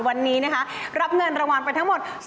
วันนี้รับเงินรางวัลไปทั้งหมด๒๘๐๐๐บาท